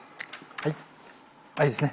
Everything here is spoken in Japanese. いいですね